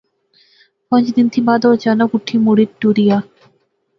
پانج دن تھی بعد او اچانک اٹھی مڑی ٹری گیا